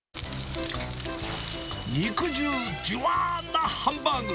肉汁じゅわーなハンバーグ。